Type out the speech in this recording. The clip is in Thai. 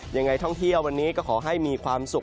ยังไงท่องเที่ยววันนี้ก็ขอให้มีความสุข